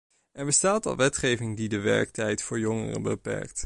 Er bestaat al wetgeving die de werktijden voor jongeren beperkt.